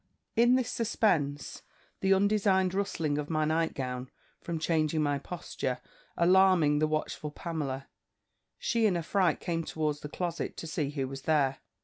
"In this suspense, the undesigned rustling of my night gown, from changing my posture, alarming the watchful Pamela, she in a fright came towards the closet to see who was there.